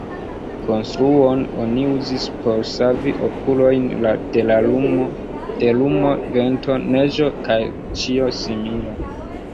Konstruon oni uzis por savi okulojn de lumo, vento, neĝo kaj ĉio simila.